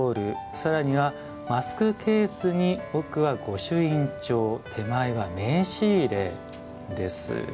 さらには、マスクケースに奥は御朱印帳手前は名刺入れです。